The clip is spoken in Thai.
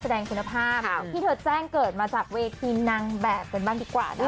แสดงคุณภาพที่เธอแจ้งเกิดมาจากเวทีนางแบบกันบ้างดีกว่านะคะ